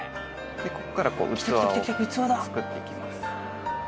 こっから器を作って行きます。